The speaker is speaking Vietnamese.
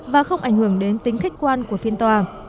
và không ảnh hưởng đến tính khách quan của phiên tòa